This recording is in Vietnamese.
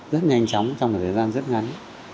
rất nhanh chóng trong thời gian rất ngắn